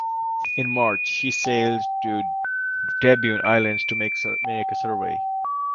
In March she sailed to the Deboyne Islands to make a survey.